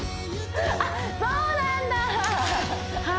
あっそうなんだは